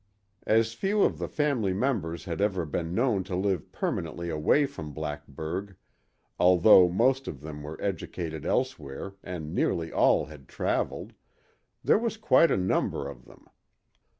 As few of the family's members had ever been known to live permanently away from Blackburg, although most of them were educated elsewhere and nearly all had traveled, there was quite a number of them.